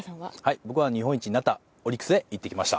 僕は、日本一になったオリックスへ行ってきました。